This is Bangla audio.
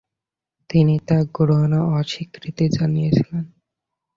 তিনি তা গ্রহণে অস্বীকৃতি জানিয়েছিলেন।